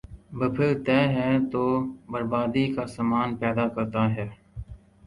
، بپھر تا ہے تو بربادی کا ساماں پیدا کرتا ہے ۔